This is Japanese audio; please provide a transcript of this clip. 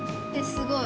すごい。